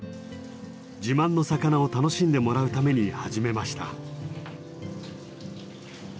自慢の魚を楽しんでもらうために始めました。